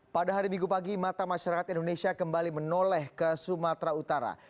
pada hari minggu pagi mata masyarakat indonesia kembali menoleh ke sumatera utara